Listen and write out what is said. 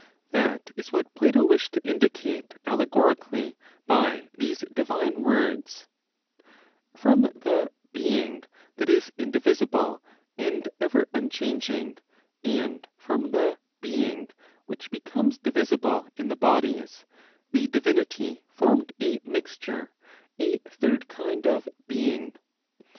That is what Plato wished to indicate allegorically by these divine words: "From the "Being" that is indivisible and ever unchanging; and from the "being" which becomes divisible in the bodies, the divinity formed a mixture, a third kind of "being."